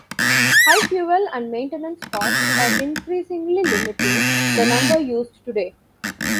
High fuel and maintenance costs are increasingly limiting the number used today.